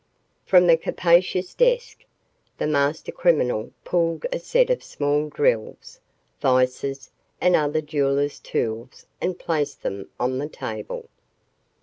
From the capacious desk, the master criminal pulled a set of small drills, vices, and other jeweler's tools and placed them on the table.